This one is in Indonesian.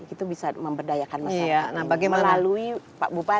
itu bisa memberdayakan masyarakat melalui pak bupati